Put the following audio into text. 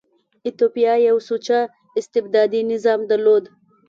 ایتوپیا یو سوچه استبدادي نظام درلود.